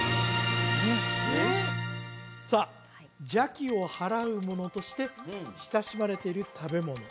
さあ邪気を払うものとして親しまれている食べ物